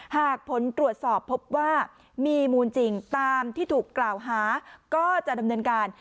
หากผลตรวจสอบพบว่ามีมูลจริงตามที่ถูกกล่าวหาก็จะดำเนินการ